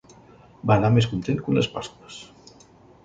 Va anar més content que unes Pas-cues.